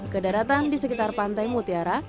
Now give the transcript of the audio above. ke daratan di sekitar pantai mutiara